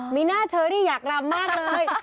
มีหน้าเชอรี่อยากรำมากเลย